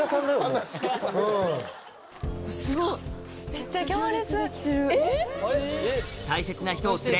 めっちゃ行列。